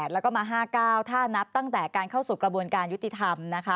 แล้วก็มา๕๙ถ้านับตั้งแต่การเข้าสู่กระบวนการยุติธรรมนะคะ